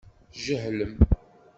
Tjehlem.